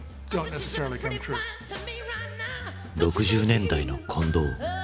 ６０年代の混同。